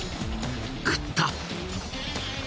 食った！